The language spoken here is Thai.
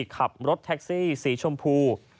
ขับรถแท็กซี่สีชมพู